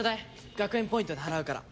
学園ポイントで払うから。